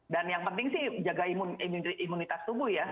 dan yang penting sih jaga imunitas tubuh ya